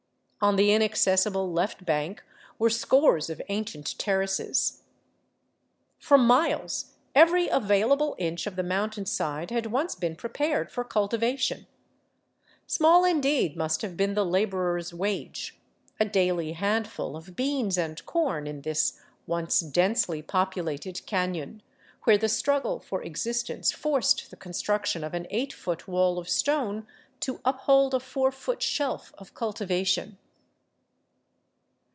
On the inaccessible left bank were scores of ancient ter races. For miles every available inch of the mountainside had once been prepared for cultivation. Small, indeed, must have been the 460 A FORGOTTEN CITY OF THE ANDES laborer's wage, a daily handful of beans and corn, in this once densely populated canon, where the struggle for existence forced the con struction of an eight foot wall of stone to uphold a four foot shelf of cultivation.